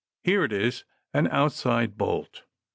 Here it is, an outside bolt